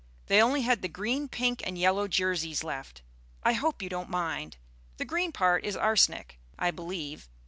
They only had the green, pink and yellow jerseys left; I hope you don't mind. The green part is arsenic, I believe.